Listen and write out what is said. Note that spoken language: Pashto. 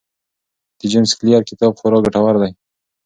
د جیمز کلیر کتاب خورا ګټور دی.